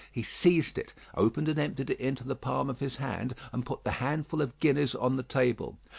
He seized it, opened and emptied it into the palm of his hand, and put the handful of guineas on the table.